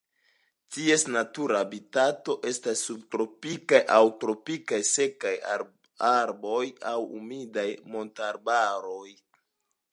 Ties natura habitato estas subtropikaj aŭ tropikaj sekaj arbaroj aŭ humidaj montararbaroj.